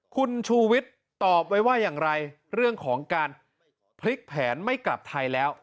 คุณชูวิทย์ตอบไว้ว่าอย่างไรเรื่องของการพลิกแผนไม่กลับไทยแล้ว